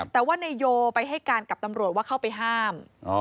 แต่ว่านายโยไปให้การกับตำรวจว่าเข้าไปห้าม